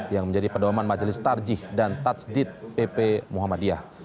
yang menjadi pedoman majelis tarjih dan tajdid pp muhammadiyah